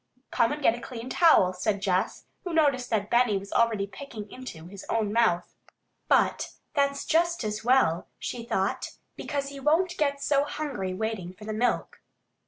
"Come and get a clean towel," said Jess, who noticed that Benny was already "picking into" his own mouth. "But that's just as well," she thought. "Because he won't get so hungry waiting for the milk."